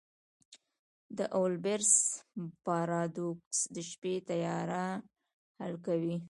د اولبرس پاراډوکس د شپې تیاره حل کوي.